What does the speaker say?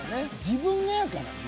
自分がやからね。